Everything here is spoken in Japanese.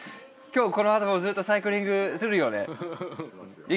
今日このあともずっとサイクリングするよね？